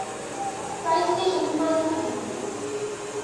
ফ্রাইস-এ shopping করার জন্য ধন্যবাদ।